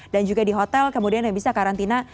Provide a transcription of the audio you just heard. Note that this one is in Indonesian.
dan juga di hotel kemudian yang bisa karantina